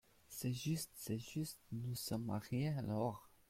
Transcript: C’est juste ! c’est juste ! nous sommes mariés, alors !…